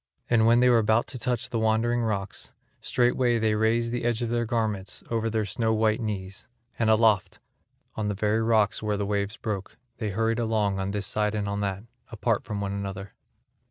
And when they were about to touch the Wandering rocks, straightway they raised the edge of their garments over their snow white knees, and aloft, on the very rocks and where the waves broke, they hurried along on this side and on that apart from one another.